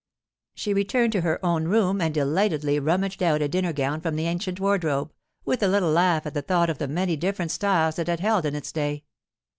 She returned to her own room and delightedly rummaged out a dinner gown from the ancient wardrobe, with a little laugh at the thought of the many different styles it had held in its day.